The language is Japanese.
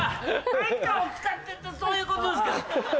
体育館を使ってってそういうことですか？